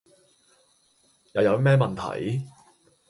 又有咩問題?